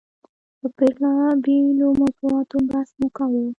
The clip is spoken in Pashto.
پر بېلابېلو موضوعاتو بحث مو کاوه.